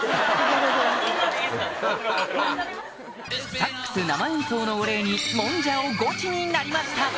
サックス生演奏のお礼にもんじゃをゴチになりました